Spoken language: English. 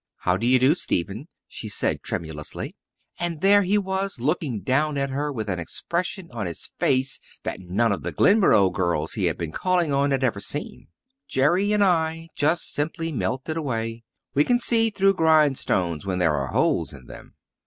"How do you do, Stephen?" she said tremulously. And there he was looking down at her with an expression on his face that none of the Glenboro girls he had been calling on had ever seen. Jerry and I just simply melted away. We can see through grindstones when there are holes in them!